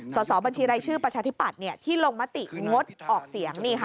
สอบบัญชีรายชื่อประชาธิปัตย์ที่ลงมติงดออกเสียง